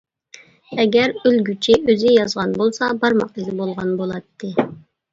ئەگەر ئۆلگۈچى ئۆزى يازغان بولسا بارماق ئىزى بولغان بولاتتى.